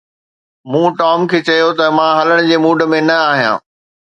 مون ٽام کي چيو ته مان هلڻ جي موڊ ۾ نه آهيان